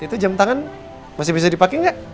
itu jam tangan masih bisa dipakai nggak